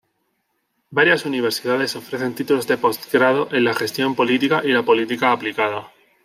Varias universidades ofrecen títulos de postgrado en la gestión política y la política aplicada.